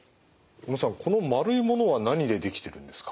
この丸いものは何で出来てるんですか？